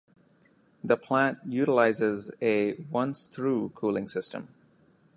The plant utilizes a once-through cooling system.